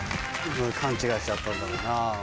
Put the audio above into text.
勘違いしちゃったんだろうな。